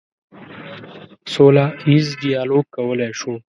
سوله ییز ډیالوګ کولی شو.